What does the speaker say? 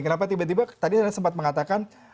kenapa tiba tiba tadi anda sempat mengatakan